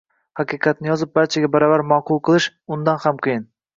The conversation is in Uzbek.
Haqiqatni yozib, barchaga baravar ma’qul qilish undan ham qiyin.